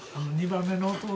２番目の弟。